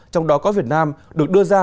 trong đó có việt nam được đưa ra